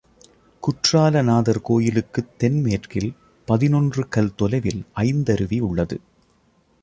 குற்றால நாதர் கோவிலுக்குத் தென் மேற்கில் பதினொன்று கல் தொலைவில் ஐந்தருவி உள்ளது.